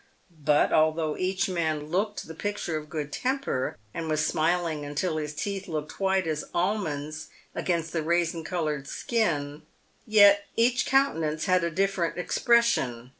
But although each man looked the picture of good temper, and was smiling until his teeth looked white as almonds against the raisin coloured skin, yet each countenance had a different kind of expression.